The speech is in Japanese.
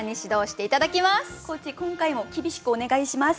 今回も厳しくお願いします。